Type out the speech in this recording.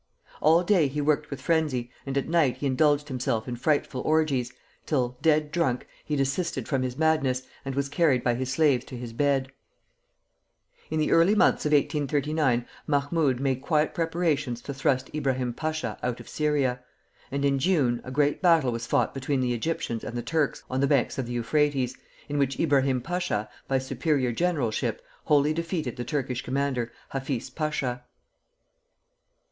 All day he worked with frenzy, and at night he indulged himself in frightful orgies, till, dead drunk, he desisted from his madness, and was carried by his slaves to his bed. [Footnote 1: Louis Blanc, Dix Ans.] In the early months of 1839 Mahmoud made quiet preparations to thrust Ibrahim Pasha out of Syria; and in June a great battle was fought between the Egyptians and the Turks on the banks of the Euphrates, in which Ibrahim Pasha, by superior generalship, wholly defeated the Turkish commander, Hafiz Pasha.